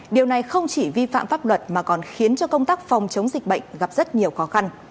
điều này không chỉ vi phạm pháp luật mà còn khiến cho công tác phòng chống dịch bệnh gặp rất nhiều khó khăn